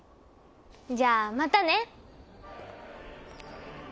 じゃあまたね。